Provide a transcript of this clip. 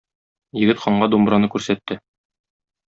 Егет ханга думбраны күрсәтте.